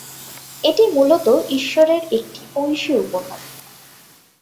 এটি মূলত ঈশ্বরের একটি ঐশী উপহার।